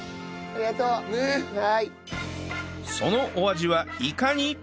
そのお味はいかに？